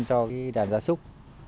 cho đàn gia súc